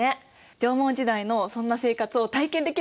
縄文時代のそんな生活を体験できる所があるよ。